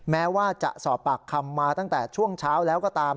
แม้ว่าจะสอบปากคำมาตั้งแต่ช่วงเช้าแล้วก็ตาม